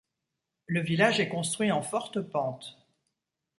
Le village est construit en forte pente.